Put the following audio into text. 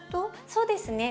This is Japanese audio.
そうですね。